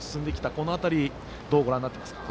この辺りどうご覧になってますか。